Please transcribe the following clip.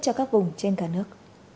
cho các vùng trên cả nước